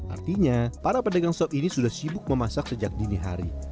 artinya para pedagang sop ini sudah sibuk memasak sejak dini hari